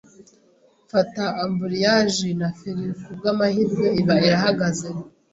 mfata amburiyaji na feri kubw’ amahirwe iba irahagaze.